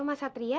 ya mas satria